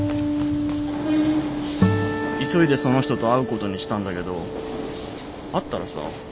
急いでその人と会うことにしたんだけど会ったらさ